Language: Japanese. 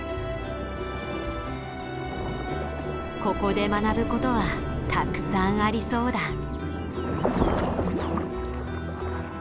ここで学ぶことはたくさんありそうだ。